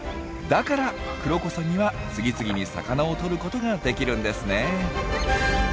だからクロコサギは次々に魚をとることができるんですね。